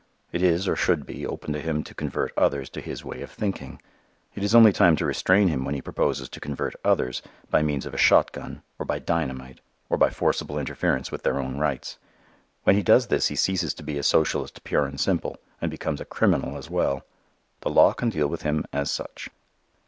It is, or should be, open to him to convert others to his way of thinking. It is only time to restrain him when he proposes to convert others by means of a shotgun or by dynamite, and by forcible interference with their own rights. When he does this he ceases to be a socialist pure and simple and becomes a criminal as well. The law can deal with him as such.